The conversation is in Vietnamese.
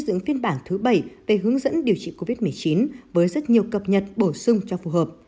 dựng phiên bản thứ bảy về hướng dẫn điều trị covid một mươi chín với rất nhiều cập nhật bổ sung cho phù hợp